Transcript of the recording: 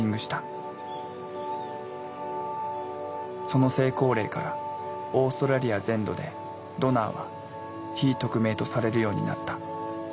その成功例からオーストラリア全土でドナーは非匿名とされるようになった。